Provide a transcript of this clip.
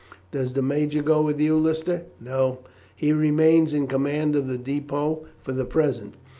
"Does the major go with you, Lister?" "No; he remains in command of the depôt for the present.